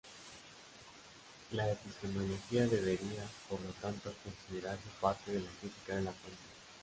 La epistemología debería, por lo tanto, considerarse parte de la crítica de la fuente.